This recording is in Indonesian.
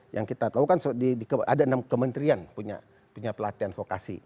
yang kita tahu kan ada enam kementerian punya pelatihan vokasi